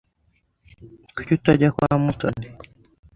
Kuki utajya kwa Mutoni?